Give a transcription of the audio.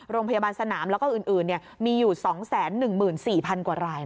โรงพยาบาลสนามแล้วก็อื่นมีอยู่๒๑๔๐๐๐กว่าราย